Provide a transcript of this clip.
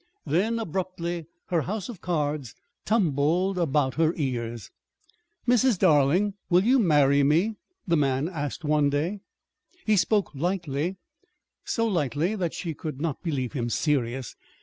Then, abruptly, her house of cards tumbled about her ears. "Mrs. Darling, will you marry me?" the man asked one day. He spoke lightly, so lightly that she could not believe him serious.